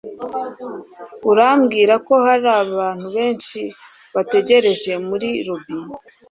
urambwira ko hari abantu benshi bategereje muri lobby